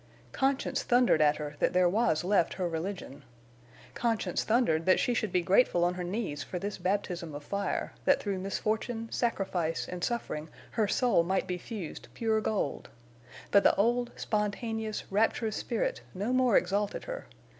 Conscience thundered at her that there was left her religion. Conscience thundered that she should be grateful on her knees for this baptism of fire; that through misfortune, sacrifice, and suffering her soul might be fused pure gold. But the old, spontaneous, rapturous spirit no more exalted her.